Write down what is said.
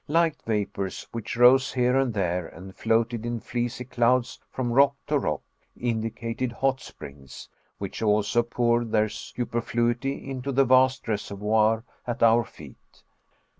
Light vapors, which rose here and there, and floated in fleecy clouds from rock to rock, indicated hot springs, which also poured their superfluity into the vast reservoir at our feet.